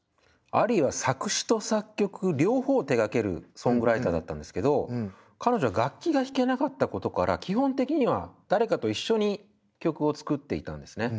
アリーは作詞と作曲両方を手がけるソングライターだったんですけど彼女は楽器が弾けなかったことから基本的には誰かと一緒に曲を作っていたんですね。